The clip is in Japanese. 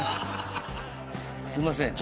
すいません。